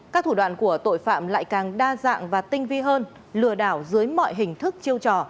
các thủ đoạn của tội phạm lại càng đa dạng và tinh vi hơn lừa đảo dưới mọi hình thức chiêu trò